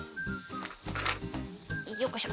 よっこいしょ。